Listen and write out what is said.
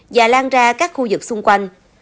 và lan ra các khu vực xung quanh